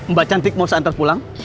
mbak cantik mau seantar pulang